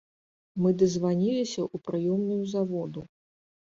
Мы дазваніліся ў прыёмную заводу.